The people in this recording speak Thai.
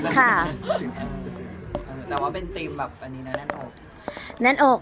แต่ว่าเป็นทีมแบบนี้นะแนนโอ๊ก